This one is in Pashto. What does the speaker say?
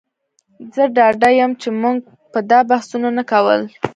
زه ډاډه یم چې موږ به دا بحثونه نه کول